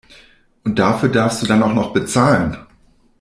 Und dafür darfst du dann auch noch bezahlen!